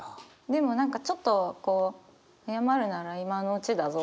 でも何かちょっと「謝るなら今のうちだぞ」